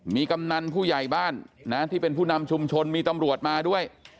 มีกำนันผู้ใหญ่บ้านนะที่เป็นผู้นำชุมชนมีตำรวจมาด้วย